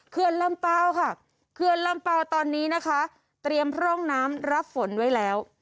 ลำเปล่าค่ะเขื่อนลำเปล่าตอนนี้นะคะเตรียมพร่องน้ำรับฝนไว้แล้ว